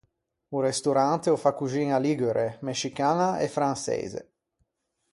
O restorante o fa coxiña ligure, mescicaña e franseise.